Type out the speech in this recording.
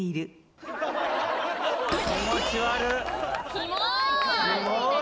キモーい！